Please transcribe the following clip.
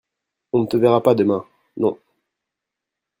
On ne te verra pas demain ? Non.